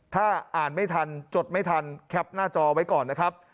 ถ้าอ่านไม่ทันจดไม่ทันแคปหน้าจอไว้ก่อนนะครับ